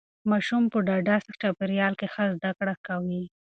ماشوم په ډاډه چاپیریال کې ښه زده کړه کوي.